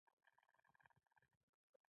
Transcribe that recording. چې موږ د هغې ښځې کرامت مراعات کړی دی.